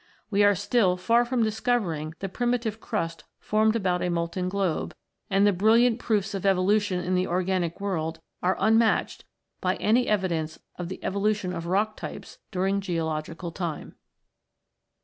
We are still far from discovering the primitive crust formed about a molten globe, and the brilliant proofs of evolution in the orgaiiic world are unmatched by any evidence of the evolution of rock types during geological time.